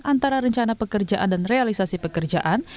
antara rencana pekerjaan dan realisasi pekerjaan